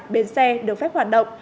bến xe được phép hoạt động